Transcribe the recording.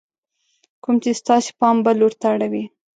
کوم چې ستاسې پام بل لور ته اړوي :